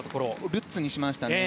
ルッツにしましたね。